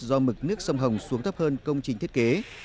do mực nước sông hồng xuống thấp hơn công trình thiết kế